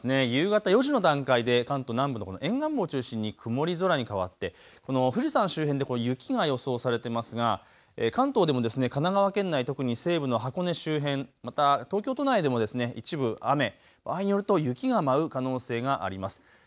夕方４時の段階で関東南部の沿岸部を中心に曇り空に変わってこの富士山周辺で雪が予想されてますが、関東でも神奈川県内、特に西部の箱根周辺、また東京都内でも一部雨、場合によると雪が舞う可能性があります。